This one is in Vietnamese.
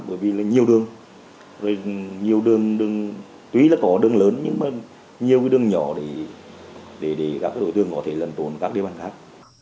bởi vì là nhiều đường tuy là có đường lớn nhưng mà nhiều đường nhỏ để các đội thương có thể lần tùn các địa bàn khác